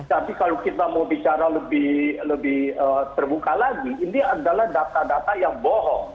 tapi kalau kita mau bicara lebih terbuka lagi ini adalah data data yang bohong